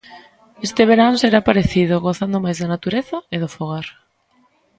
Este verán será parecido, gozando máis da natureza e do fogar.